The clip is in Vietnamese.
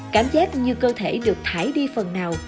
cảm giác như cơ thể được thải đi phần nào